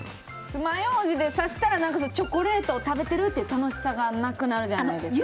つまようじで刺したらチョコレートを食べているという楽しさがなくなるじゃないですか。